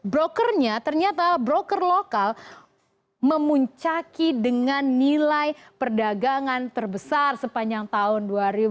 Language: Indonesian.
brokernya ternyata broker lokal memuncaki dengan nilai perdagangan terbesar sepanjang tahun dua ribu dua puluh